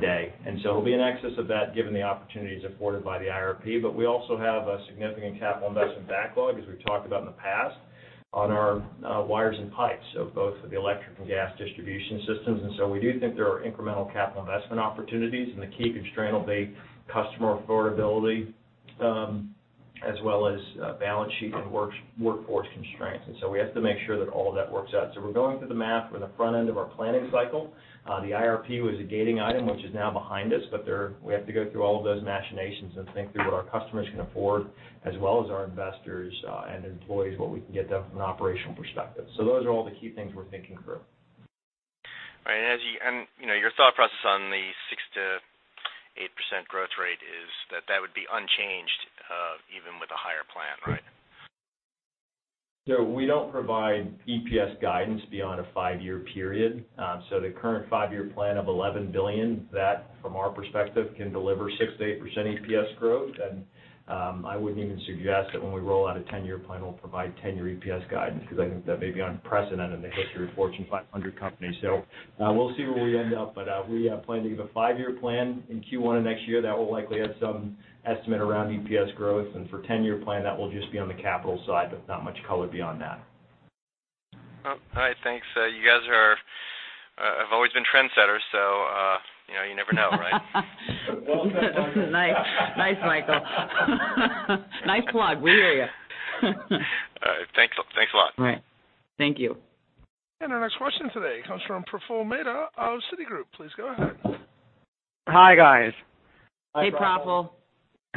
Day. It'll be in excess of that given the opportunities afforded by the IRP. We also have a significant capital investment backlog, as we've talked about in the past, on our wires and pipes, so both the electric and gas distribution systems. We do think there are incremental capital investment opportunities, and the key constraint will be customer affordability as well as balance sheet and workforce constraints. We have to make sure that all of that works out. We're going through the math. We're in the front end of our planning cycle. The IRP was a gating item which is now behind us, but we have to go through all of those machinations and think through what our customers can afford, as well as our investors and employees, what we can get done from an operational perspective. Those are all the key things we're thinking through. Right. Your thought process on the 6% to 8% growth rate is that that would be unchanged even with a higher plan, right? We don't provide EPS guidance beyond a 5-year period. The current 5-year plan of $11 billion, that from our perspective, can deliver 6%-8% EPS growth. I wouldn't even suggest that when we roll out a 10-year plan, we'll provide 10-year EPS guidance because I think that may be unprecedented in the history of Fortune 500 companies. We'll see where we end up, but we plan to give a 5-year plan in Q1 of next year that will likely have some estimate around EPS growth. For 10-year plan, that will just be on the capital side, but not much color beyond that. All right, thanks. You guys have always been trendsetters, so you never know, right? Well said, Michael. Nice. Nice, Michael. Nice plug. We hear you. All right, thanks a lot. All right. Thank you. Our next question today comes from Praful Mehta of Citigroup. Please go ahead. Hi, guys.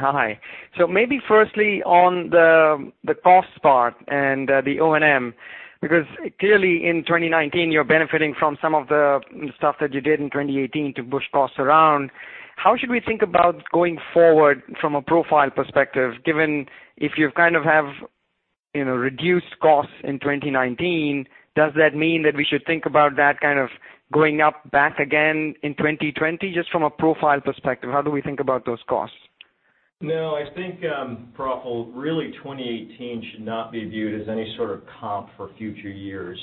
Hi, Praful. Hey, Praful. Hi. Maybe firstly on the cost part and the O&M, because clearly in 2019, you're benefiting from some of the stuff that you did in 2018 to push costs around. How should we think about going forward from a profile perspective, given if you kind of have reduced costs in 2019, does that mean that we should think about that kind of going up back again in 2020? Just from a profile perspective, how do we think about those costs? No, I think, Praful, really 2018 should not be viewed as any sort of comp for future years.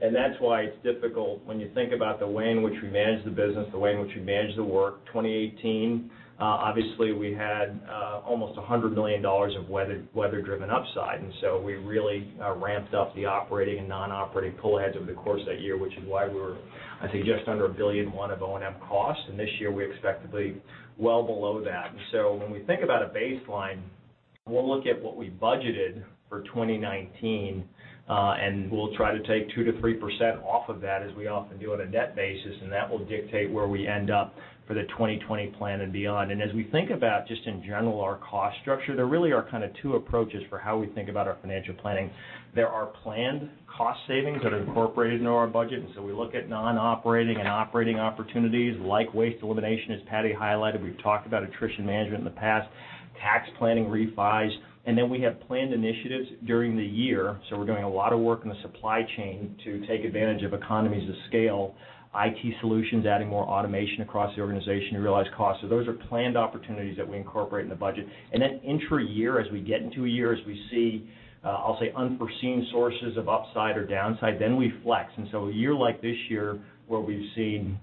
That's why it's difficult when you think about the way in which we manage the business, the way in which we manage the work. 2018, obviously we had almost $100 million of weather-driven upside, so we really ramped up the operating and non-operating pull aheads over the course of that year, which is why we were, I think, just under $1.1 billion of O&M costs. This year we're expectedly well below that. So when we think about a baseline, we'll look at what we budgeted for 2019, and we'll try to take 2%-3% off of that as we often do on a net basis, and that will dictate where we end up for the 2020 plan and beyond. As we think about just in general our cost structure, there really are kind of two approaches for how we think about our financial planning. There are planned cost savings that are incorporated into our budget, and so we look at non-operating and operating opportunities like waste elimination, as Patti highlighted. We've talked about attrition management in the past, tax planning refis, and then we have planned initiatives during the year. We're doing a lot of work in the supply chain to take advantage of economies of scale, IT solutions, adding more automation across the organization to realize costs. Those are planned opportunities that we incorporate in the budget. Then intra-year, as we get into a year, as we see, I'll say unforeseen sources of upside or downside, then we flex. A year like this year where we've seen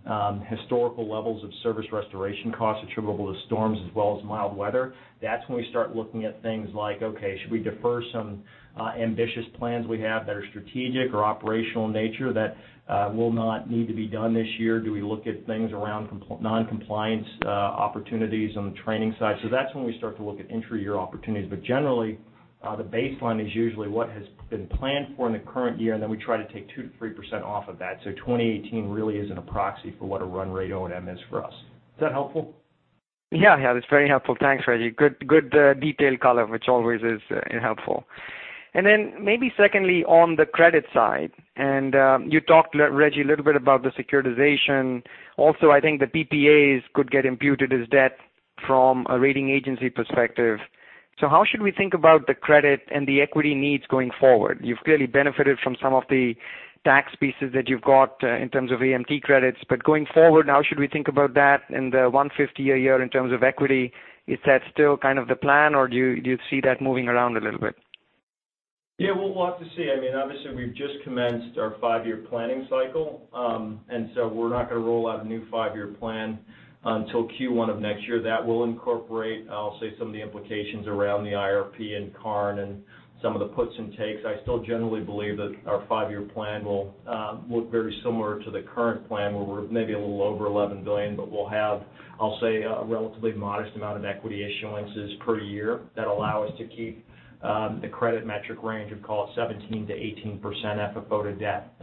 historical levels of service restoration costs attributable to storms as well as mild weather, that's when we start looking at things like, okay, should we defer some ambitious plans we have that are strategic or operational in nature that will not need to be done this year? Do we look at things around non-compliance opportunities on the training side? That's when we start to look at intra-year opportunities. Generally, the baseline is usually what has been planned for in the current year, and then we try to take 2% to 3% off of that. 2018 really isn't a proxy for what a run rate O&M is for us. Is that helpful? Yeah, it's very helpful. Thanks, Rejji. Good detailed color, which always is helpful. Then maybe secondly, on the credit side, you talked, Rejji, a little bit about the securitization. Also, I think the PPAs could get imputed as debt from a rating agency perspective. How should we think about the credit and the equity needs going forward? You've clearly benefited from some of the tax pieces that you've got in terms of AMT credits, but going forward, how should we think about that and the $150 a year in terms of equity? Is that still kind of the plan, or do you see that moving around a little bit? Yeah, we'll have to see. Obviously, we've just commenced our five-year planning cycle. We're not going to roll out a new five-year plan until Q1 of next year. That will incorporate, I'll say, some of the implications around the IRP and Karn and some of the puts and takes. I still generally believe that our five-year plan will look very similar to the current plan, where we're maybe a little over $11 billion, but we'll have, I'll say, a relatively modest amount of equity issuances per year that allow us to keep the credit metric range of call 17%-18% FFO to debt.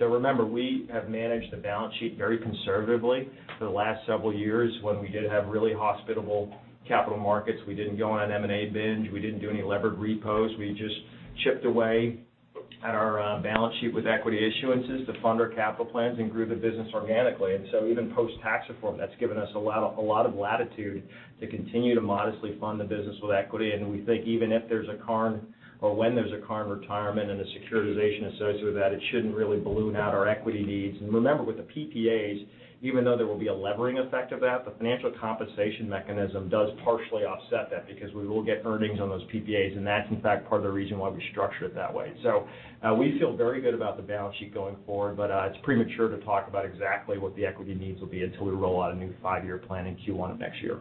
Remember, we have managed the balance sheet very conservatively for the last several years. When we did have really hospitable capital markets, we didn't go on an M&A binge. We didn't do any levered repos. We just chipped away at our balance sheet with equity issuances to fund our capital plans and grew the business organically. Even post tax reform, that's given us a lot of latitude to continue to modestly fund the business with equity. We think even if there's a Karn or when there's a Karn retirement and a securitization associated with that, it shouldn't really balloon out our equity needs. Remember, with the PPAs, even though there will be a levering effect of that, the Financial Compensation Mechanism does partially offset that because we will get earnings on those PPAs, and that's in fact part of the reason why we structured it that way. We feel very good about the balance sheet going forward, but it's premature to talk about exactly what the equity needs will be until we roll out a new five-year plan in Q1 of next year.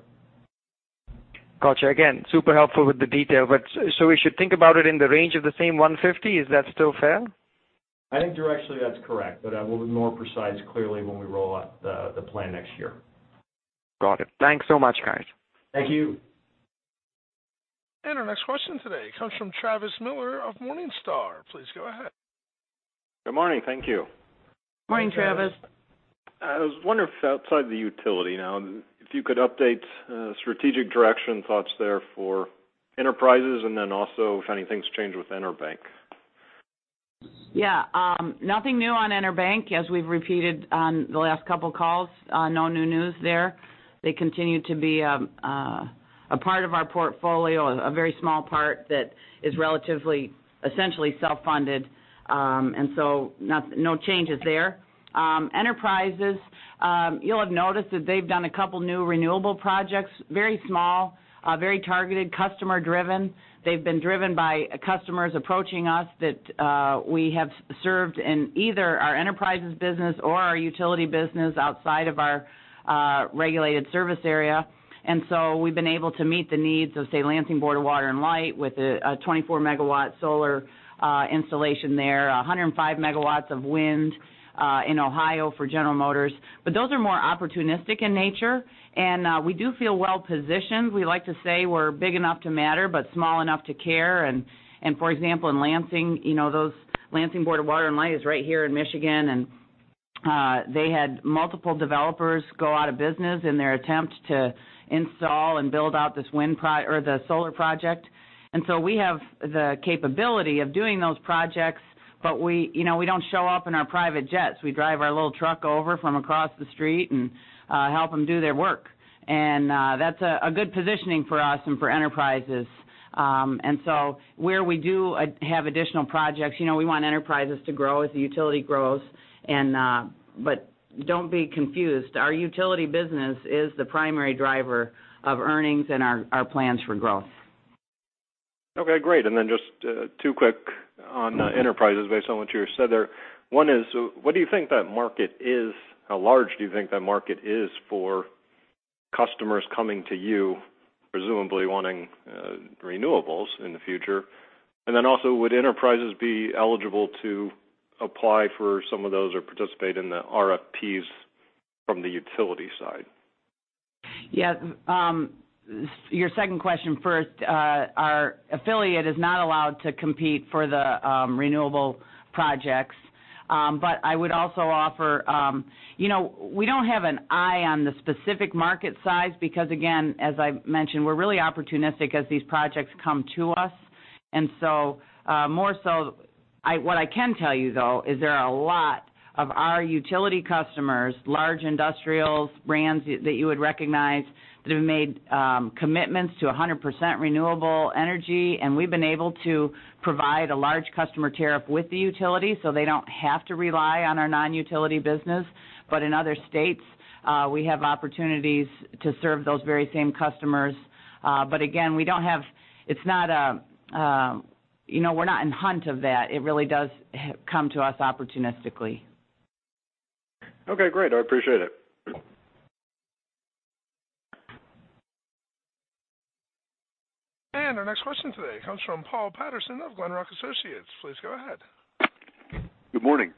Got you. Again, super helpful with the detail. We should think about it in the range of the same $150? Is that still fair? I think directionally that's correct, but I will be more precise, clearly, when we roll out the plan next year. Got it. Thanks so much, guys. Thank you. Our next question today comes from Travis Miller of Morningstar. Please go ahead. Good morning. Thank you. Good morning, Travis. I was wondering if outside the utility now, if you could update strategic direction thoughts there for enterprises, and then also if anything's changed with EnerBank? Nothing new on EnerBank. As we've repeated on the last couple calls, no new news there. They continue to be a part of our portfolio, a very small part that is relatively, essentially self-funded. No changes there. Enterprises, you'll have noticed that they've done a couple new renewable projects, very small, very targeted, customer-driven. They've been driven by customers approaching us that we have served in either our Enterprises business or our utility business outside of our regulated service area. We've been able to meet the needs of, say, Lansing Board of Water & Light with a 24 MW solar installation there, 105 MW of wind in Ohio for General Motors. Those are more opportunistic in nature, and we do feel well-positioned. We like to say we're big enough to matter but small enough to care. For example, in Lansing, those Lansing Board of Water & Light is right here in Michigan, and they had multiple developers go out of business in their attempt to install and build out the solar project. We have the capability of doing those projects, but we don't show up in our private jets. We drive our little truck over from across the street and help them do their work. That's a good positioning for us and for enterprises. Where we do have additional projects, we want enterprises to grow as the utility grows. Don't be confused. Our utility business is the primary driver of earnings and our plans for growth. Okay, great. Just two quick on enterprises based on what you just said there. One is, what do you think that market is? How large do you think that market is for customers coming to you, presumably wanting renewables in the future? Would enterprises be eligible to apply for some of those or participate in the RFPs from the utility side? Yeah. Your second question first. Our affiliate is not allowed to compete for the renewable projects. I would also offer, we don't have an eye on the specific market size because again, as I've mentioned, we're really opportunistic as these projects come to us. More so, what I can tell you, though, is there are a lot of our utility customers, large industrials, brands that you would recognize that have made commitments to 100% renewable energy, and we've been able to provide a large customer tariff with the utility, so they don't have to rely on our non-utility business. In other states, we have opportunities to serve those very same customers. Again, we're not in hunt of that. It really does come to us opportunistically. Okay, great. I appreciate it. Our next question today comes from Paul Patterson of Glenrock Associates. Please go ahead. Good morning.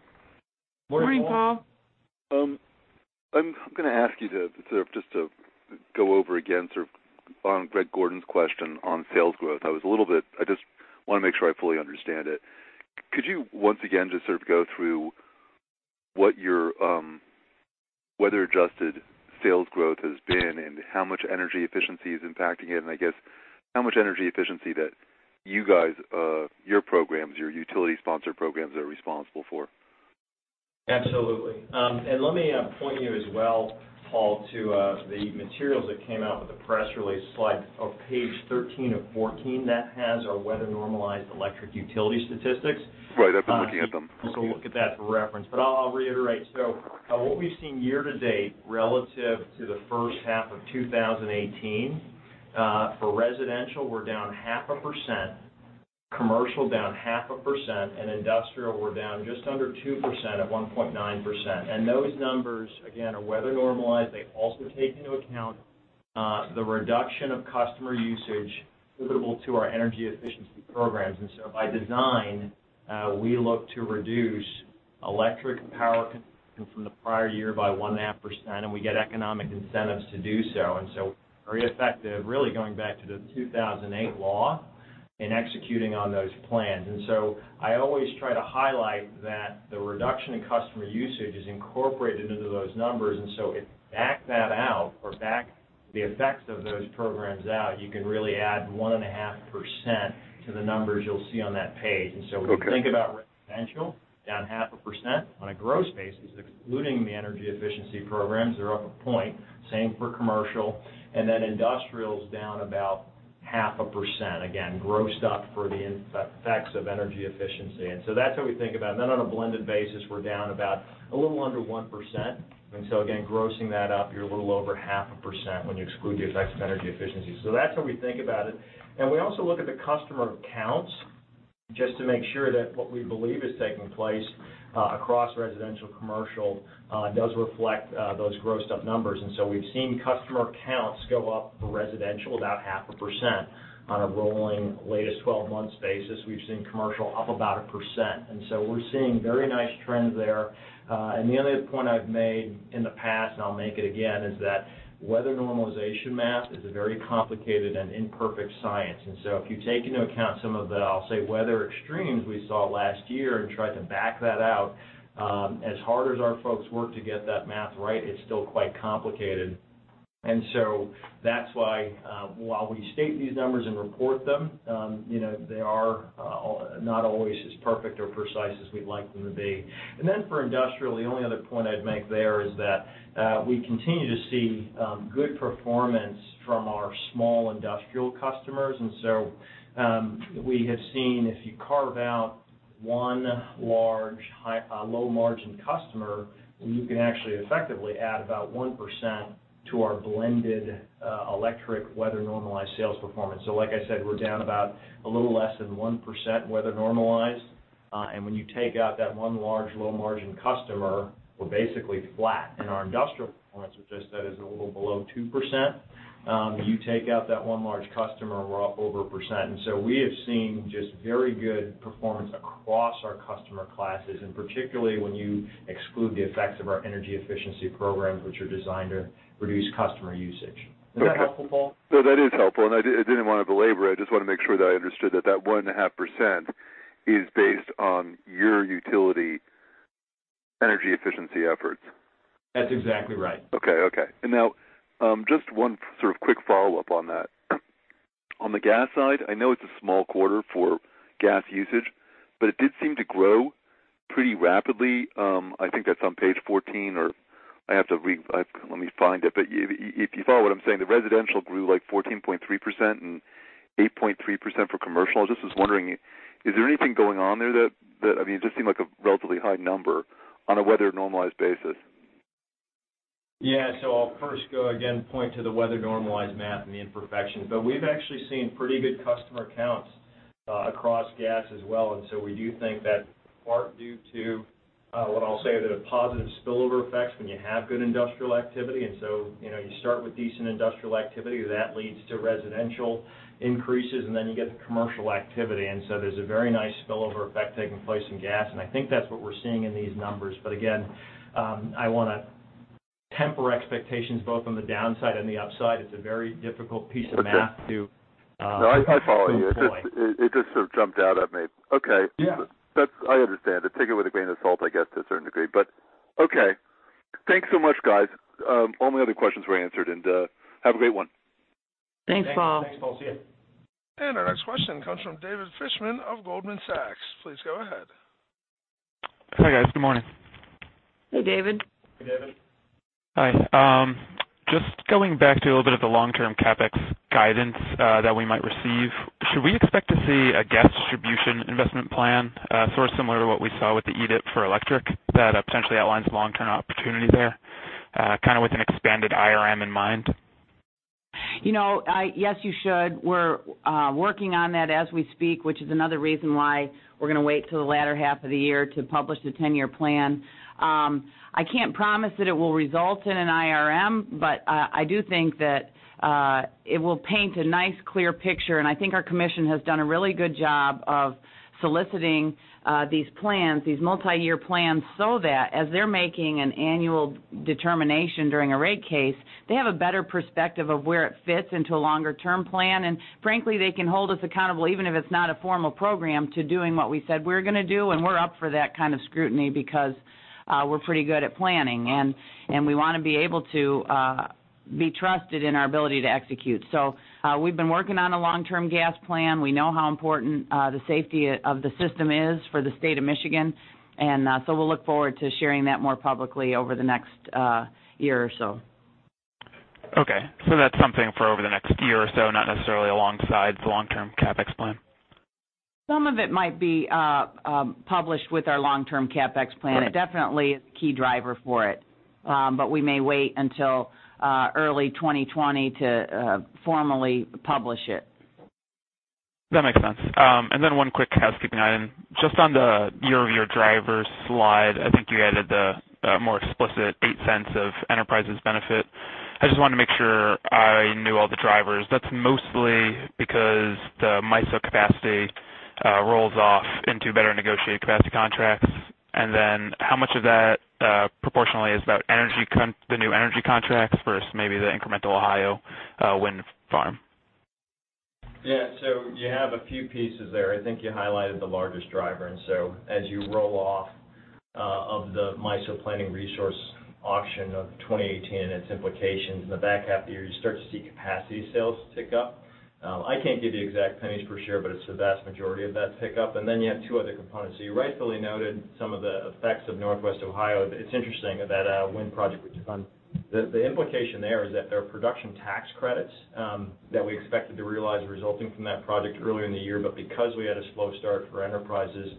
Morning, Paul. I'm going to ask you to sort of just to go over again sort of on Greg Gordon's question on sales growth. I just want to make sure I fully understand it. Could you once again just sort of go through. what your weather-adjusted sales growth has been and how much energy efficiency is impacting it, and I guess how much energy efficiency that you guys, your programs, your utility-sponsored programs, are responsible for. Absolutely. Let me point you as well, Paul, to the materials that came out with the press release. Page 13 of 14 has our weather-normalized electric utility statistics. Right. I've been looking at them. You can also look at that for reference, but I'll reiterate. What we've seen year to date relative to the first half of 2018, for residential, we're down 0.5%. Commercial, down 0.5%, and industrial, we're down just under 2% at 1.9%. Those numbers, again, are weather normalized. They also take into account the reduction of customer usage attributable to our energy efficiency programs. By design, we look to reduce electric power consumption from the prior year by 1.5%, and we get economic incentives to do so. Very effective, really going back to the 2008 law in executing on those plans. I always try to highlight that the reduction in customer usage is incorporated into those numbers. If you back that out or back the effects of those programs out, you can really add one and a half % to the numbers you'll see on that page. Okay. When you think about residential, down 0.5%. On a gross basis, excluding the energy efficiency programs, they're up 1%. Same for commercial. Industrial is down about 0.5%, again, grossed up for the effects of energy efficiency. That's how we think about it. On a blended basis, we're down about a little under 1%. Again, grossing that up, you're a little over 0.5% when you exclude the effects of energy efficiency. That's how we think about it. We also look at the customer counts just to make sure that what we believe is taking place across residential, commercial, does reflect those grossed-up numbers. We've seen customer counts go up for residential about 0.5% on a rolling latest 12-month basis. We've seen commercial up about 1%. We're seeing very nice trends there. The only other point I've made in the past, and I'll make it again, is that weather normalization math is a very complicated and imperfect science. If you take into account some of the, I'll say, weather extremes we saw last year and try to back that out, as hard as our folks work to get that math right, it's still quite complicated. That's why, while we state these numbers and report them, they are not always as perfect or precise as we'd like them to be. For industrial, the only other point I'd make there is that we continue to see good performance from our small industrial customers. We have seen if you carve out one large low-margin customer, you can actually effectively add about 1% to our blended electric weather-normalized sales performance. Like I said, we're down about a little less than 1% weather normalized. When you take out that one large low-margin customer, we're basically flat in our industrial performance, which I said is a little below 2%. You take out that one large customer, we're up over 1%. We have seen just very good performance across our customer classes, and particularly when you exclude the effects of our energy efficiency programs, which are designed to reduce customer usage. Okay. Is that helpful, Paul? No, that is helpful. I didn't want to belabor it. I just wanted to make sure that I understood that that one and a half % is based on your utility energy efficiency efforts. That's exactly right. Okay. Now, just one sort of quick follow-up on that. On the gas side, I know it's a small quarter for gas usage, but it did seem to grow pretty rapidly. I think that's on page 14, or I have to read. Let me find it. If you follow what I'm saying, the residential grew like 14.3% and 8.3% for commercial. I just was wondering, is there anything going on there? It just seemed like a relatively high number on a weather-normalized basis. Yeah. I'll first go again, point to the weather-normalized math and the imperfection. We've actually seen pretty good customer counts across gas as well. We do think that part due to what I'll say are the positive spillover effects when you have good industrial activity. You start with decent industrial activity, that leads to residential increases, and then you get the commercial activity. There's a very nice spillover effect taking place in gas, and I think that's what we're seeing in these numbers. Again, I want to temper expectations both on the downside and the upside. No, I follow you. It just sort of jumped out at me. Okay. Yeah. I understand. Take it with a grain of salt, I guess, to a certain degree. Okay. Thanks so much, guys. All my other questions were answered, and have a great one. Thanks, Paul. Thanks, Paul. See you. Our next question comes from David Fishman of Goldman Sachs. Please go ahead. Hi, guys. Good morning. Hey, David. Hey, David. Hi. Going back to a little bit of the long-term CapEx guidance that we might receive. Should we expect to see a gas distribution investment plan sort of similar to what we saw with the EDIIP for electric that potentially outlines long-term opportunities there, kind of with an expanded IRM in mind? Yes, you should. We're working on that as we speak, which is another reason why we're going to wait till the latter half of the year to publish the 10-year plan. I can't promise that it will result in an IRM, but I do think that it will paint a nice, clear picture, and I think our Commission has done a really good job of soliciting these plans, these multi-year plans, so that as they're making an annual determination during a rate case, they have a better perspective of where it fits into a longer-term plan. Frankly, they can hold us accountable, even if it's not a formal program, to doing what we said we were going to do. We're up for that kind of scrutiny because we're pretty good at planning, and we want to be able to be trusted in our ability to execute. We've been working on a long-term gas plan. We know how important the safety of the system is for the state of Michigan. We'll look forward to sharing that more publicly over the next year or so. Okay, that's something for over the next year or so, not necessarily alongside the long-term CapEx plan. Some of it might be published with our long-term CapEx plan. Right. It definitely is a key driver for it. We may wait until early 2020 to formally publish it. That makes sense. One quick housekeeping item. Just on the year-over-year drivers slide, I think you added the more explicit $0.08 of Enterprises benefit. I just wanted to make sure I knew all the drivers. That's mostly because the MISO capacity rolls off into better negotiated capacity contracts. How much of that proportionally is the new energy contracts versus maybe the incremental Ohio wind farm? Yeah. You have a few pieces there. I think you highlighted the largest driver. As you roll off of the MISO Planning Resource Auction of 2018 and its implications in the back half of the year, you start to see capacity sales tick up. I can't give you exact pennies per share, but it's the vast majority of that tick up. You have two other components. You rightfully noted some of the effects of Northwest Ohio. It's interesting that that wind project was defunct. The implication there is that there are production tax credits that we expected to realize resulting from that project earlier in the year. Because we had a slow start for Enterprises,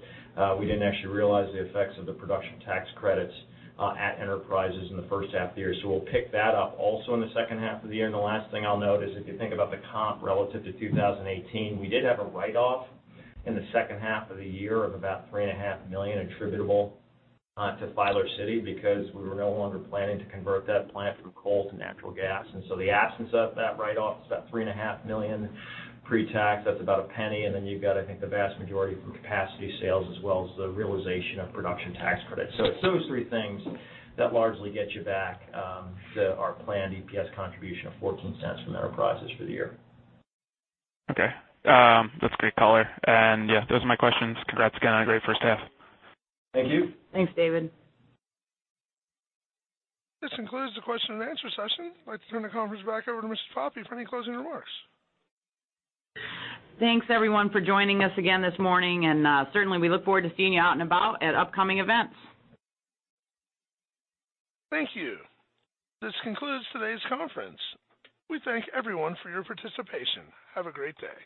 we didn't actually realize the effects of the production tax credits at Enterprises in the first half of the year. We'll pick that up also in the second half of the year. The last thing I'll note is, if you think about the comp relative to 2018, we did have a write-off in the second half of the year of about $3.5 million attributable to Filer City because we were no longer planning to convert that plant from coal to natural gas. The absence of that write-off is about $3.5 million pre-tax. That's about $0.01. Then you've got, I think, the vast majority from capacity sales as well as the realization of production tax credits. It's those three things that largely get you back to our planned EPS contribution of $0.14 from Enterprises for the year. Okay. That's a great color. Yeah, those are my questions. Congrats again on a great first half. Thank you. Thanks, David. This concludes the question and answer session. I'd like to turn the conference back over to Ms. Poppe for any closing remarks. Thanks, everyone for joining us again this morning, and certainly we look forward to seeing you out and about at upcoming events. Thank you. This concludes today's conference. We thank everyone for your participation. Have a great day.